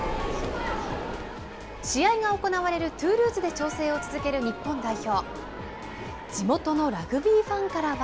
試合が行われるトゥールーズで調整を続ける日本代表。